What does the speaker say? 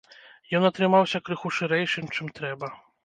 Ён атрымаўся крыху шырэйшым, чым трэба.